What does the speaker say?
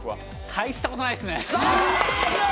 たいしたことないっすね。